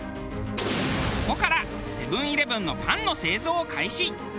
そこからセブン−イレブンのパンの製造を開始。